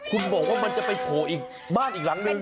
คุณบอกว่ามันจะไปโผล่อีกบ้านอีกหลังนึง